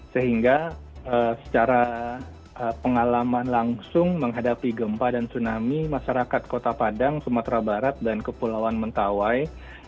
sehingga secara pengalaman langsung menghadapi gempa dan tsunami masyarakat kota padang sumatera barat dan kepulauan mentawai